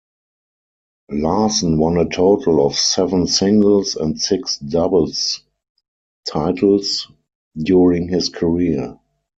Larsson won a total of seven singles and six doubles titles during his career.